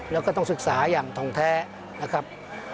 แล้วก็ต้องศึกษาอย่างทองแท้นะครับ